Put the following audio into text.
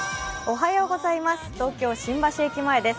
東京・新橋駅前です。